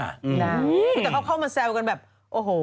แต่เขาเข้ามาแซวกันแบบโอ้โห